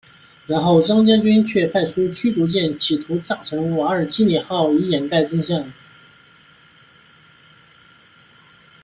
然后张将军却派出驱逐舰企图炸沉瓦尔基里号以掩盖真相。